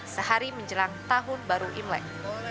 sehari menjelang tahun baru imlek